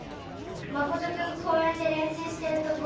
マコトくん公えんでれんしゅうしてるとこ。